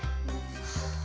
はあ。